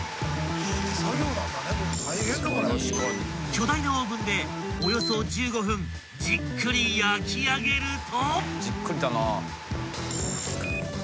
［巨大なオーブンでおよそ１５分じっくり焼き上げると］